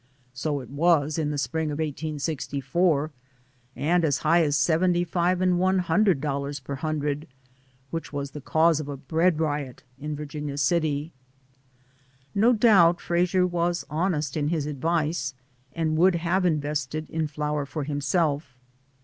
(So it was in the Spring of 1864, and as high as seventy five and one hundred dollars per hundred, which was the cause of a bread riot in Virginia City.) No doubt Frasier was honest in his ad vice, and would have invested in flour for himself.